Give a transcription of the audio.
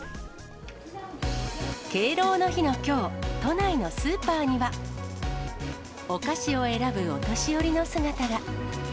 敬老の日のきょう、都内のスーパーには、お菓子を選ぶお年寄りの姿が。